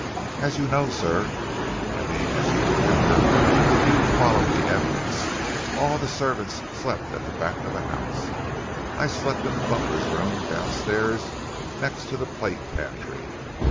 As you know, sir I mean as you remember, if you followed the evidence all the servants slept at the back of the house. I slept in the butler's room downstairs, next to the plate pantry.